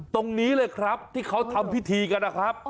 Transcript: ตรงนี้เลยครับที่เขาทำพิธีกันนะครับ